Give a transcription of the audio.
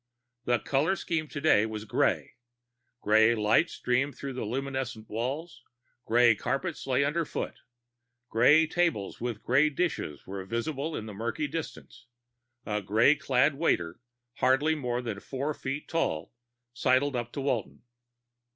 The color scheme today was gray: gray light streamed from the luminescent walls, gray carpets lay underfoot, gray tables with gray dishes were visible in the murky distance. A gray clad waiter, hardly more than four feet tall, sidled up to Walton.